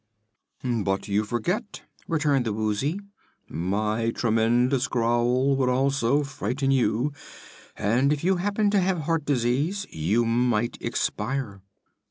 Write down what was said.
"But you forget," returned the Woozy; "my tremendous growl would also frighten you, and if you happen to have heart disease you might expire."